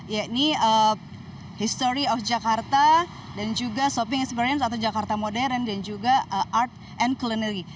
yakni history of jakarta dan juga shopping experience atau jakarta modern dan juga art and culinary